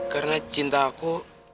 karena cinta aku